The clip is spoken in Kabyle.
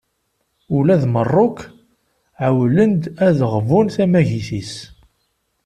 Ula d Meṛṛuk ɛewwlen-d ad ɣbun tamagit-is.